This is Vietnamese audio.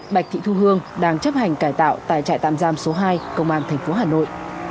bạch thị thu hương đang chấp hành cải tạo tại trại tạm giam số hai công an tp hà nội